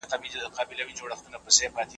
هغې په خپلو شونډو کې یوه پټه مسکا لرله.